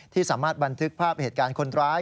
สามารถบันทึกภาพเหตุการณ์คนร้าย